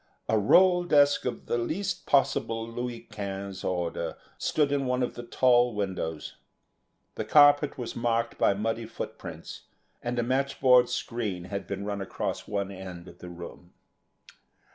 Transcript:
A roll desk of the least possible Louis Quinze order stood in one of the tall windows; the carpet was marked by muddy footprints, and a matchboard screen had been run across one end of the room.